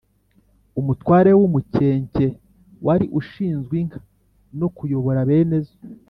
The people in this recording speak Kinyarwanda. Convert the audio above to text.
"umutware w' umukenke" wari ushinzwe inka no kuyobora bene zo